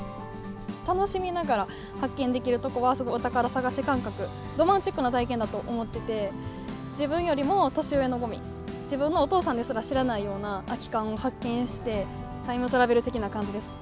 楽しみながら発見できるところは、お宝探し感覚、ロマンチックな体験だと思ってて、自分よりも年上のごみ、自分のお父さんですら知らないような空き缶を発見して、タイムトラベル的な感じです。